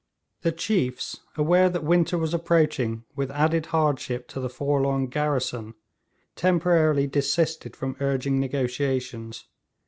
The chiefs, aware that winter was approaching with added hardship to the forlorn garrison, temporarily desisted from urging negotiations.